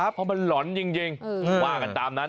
เพราะมันหล่อนจริงว่ากันตามนั้น